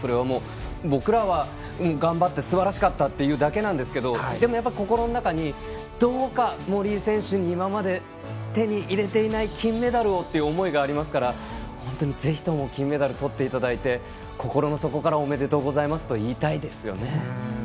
僕らは、頑張ったすばらしかったと言うだけなんですがでも、やっぱり心の中にどうか森井選手に今まで手に入れていない金メダルをという思いがありますから本当にぜひとも金メダルとっていただいて心の底からおめでとうございますと言いたいですよね。